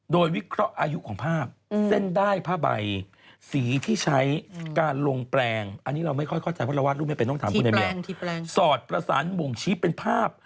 โดยวิเคราะห์อายุของภาพ